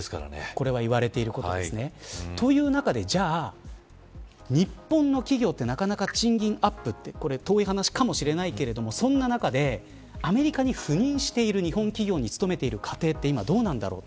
これは言われていることですね。ということでじゃあ日本の企業はなかなか賃金アップは遠い話かもしれないけれどもそんな中でアメリカに赴任している日本企業に勤めている家庭はどうなんでしょう。